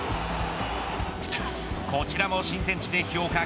こちらも新天地で評価